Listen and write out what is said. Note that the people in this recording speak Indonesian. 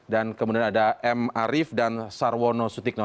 dan kemudian ada m arief dan sarwono sutikno